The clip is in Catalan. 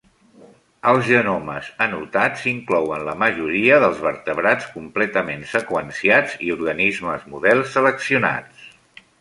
Els genomes anotats inclouen la majoria dels vertebrats completament seqüenciats i organismes models seleccionats.